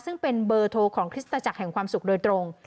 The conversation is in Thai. ซึ่งเป็นเบอร์โทรของคริสตจักรแห่งความสุขโดยตรง